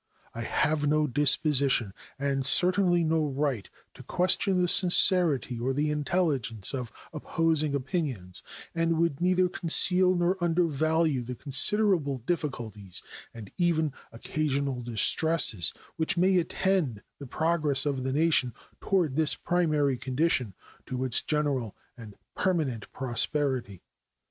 I have no disposition, and certainly no right, to question the sincerity or the intelligence of opposing opinions, and would neither conceal nor undervalue the considerable difficulties, and even occasional distresses, which may attend the progress of the nation toward this primary condition to its general and permanent prosperity.